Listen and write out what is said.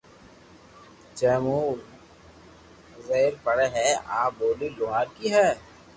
جي مون زبر پڙي ھي آ ٻولي لوھارڪي ھي